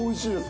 おいしい。